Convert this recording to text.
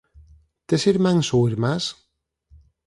Tes irmáns ou irmás?